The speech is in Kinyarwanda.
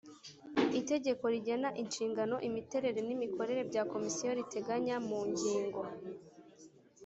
Itegeko rigena Inshingano Imiterere n Imikorere bya Komisiyo riteganya mu ngingo